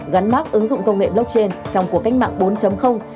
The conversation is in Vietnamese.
gắn mát ứng dụng công nghệ blockchain trong cuộc cách mạng bốn